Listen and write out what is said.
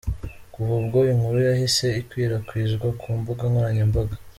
Kuva ubwo inkuru yahise ikwirakwizwa ku mbuga nkoranyambaga.